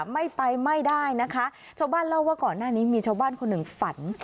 ไม่ไปไม่ได้นะคะชาวบ้านเล่าว่าก่อนหน้านี้มีชาวบ้านคนหนึ่งฝัน